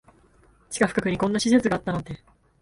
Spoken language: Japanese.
地下深くにこんな施設があったなんて